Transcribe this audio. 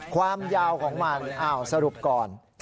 ความยาวของวาหรือสรุปก่อน